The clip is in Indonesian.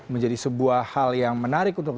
menjadi sebuah hal yang menarik untuk